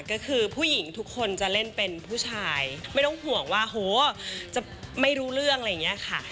ก็คือผู้หญิงทุกคนจะเล่นเป็นผู้ชายไม่ต้องห่วงว่าโหจะไม่รู้เรื่องอะไรอย่างนี้ค่ะ